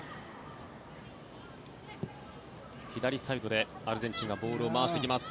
左サイドでアルゼンチンがボールを回してきます。